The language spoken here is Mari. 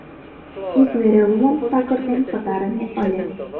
Ик вере лумым такыртен пытарыме ыле.